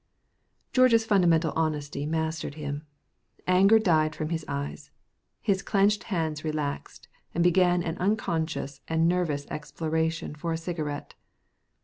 George's fundamental honesty mastered him. Anger died from his eyes. His clenched hands relaxed and began an unconscious and nervous exploration for a cigarette.